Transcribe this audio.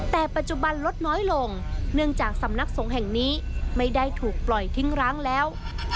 แต่ปัจจุบันลดน้อยลงเนื่องจากสำนักสงฆ์แห่งนี้ไม่ได้ถูกปล่อยทิ้งร้างแล้ว